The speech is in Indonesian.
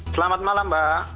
selamat malam mbak